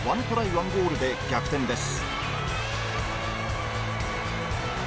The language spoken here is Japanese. １ゴールで逆転です